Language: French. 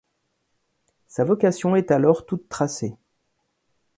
Sa vocation est alors toute tracée.